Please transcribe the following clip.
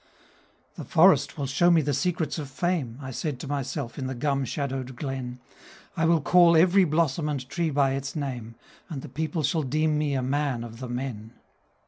"The Forest will show me the secrets of Fame," I said to myself in the gum shadowed glen, "I will call every blossom and tree by its name, And the people shall deem me a man of the men.